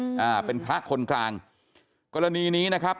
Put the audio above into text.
อ่าเป็นพระคนกลางกรณีนี้นะครับ